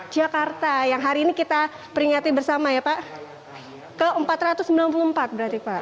jakarta yang hari ini kita peringati bersama ya pak ke empat ratus sembilan puluh empat berarti pak